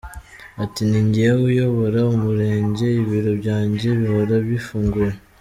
Ati “Ni njyewe uyobora umurenge, ibiro byanjye bihora bifunguye.